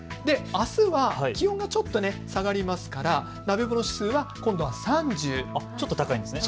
あすは気温がちょっと下がりますから鍋もの指数は今度は３０、ちょっと高いんです。